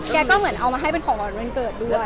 ก็เหมือนเอามาให้เป็นของหวานวันเกิดด้วย